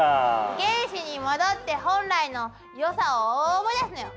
原始に戻って本来のよさを思い出すのよ！